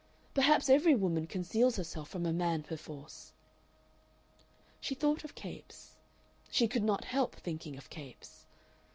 Perhaps every woman conceals herself from a man perforce!... She thought of Capes. She could not help thinking of Capes.